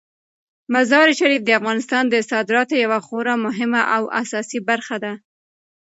مزارشریف د افغانستان د صادراتو یوه خورا مهمه او اساسي برخه ده.